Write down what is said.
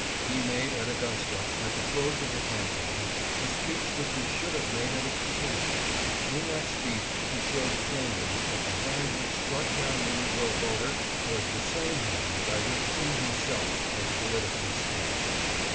He made, at Augusta, at the close of the campaign, the speech which he should have made at its beginning. In that speech he showed plainly that the hand which struck down the negro voter was the same hand by which he himself was politically slain.